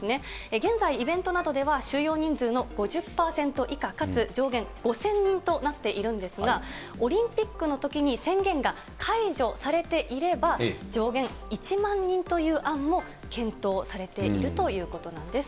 現在、イベントなどでは収容人数の５０％以下かつ上限５０００人となっているんですが、オリンピックのときに宣言が解除されていれば、上限１万人という案も検討されているということなんです。